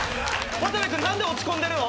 渡部君何で落ち込んでるの？